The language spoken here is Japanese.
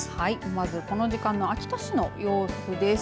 まずこの時間の秋田市の様子です。